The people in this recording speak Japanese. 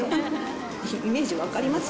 イメージ分かります？